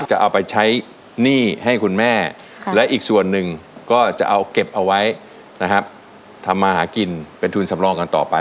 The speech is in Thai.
จะเอาไปใช้หนี้ให้คุณแม่และอีกส่วนหนึ่งก็จะเอาเก็บเอาไว้นะครับทำมาหากินเป็นทุนสำรองกันต่อไป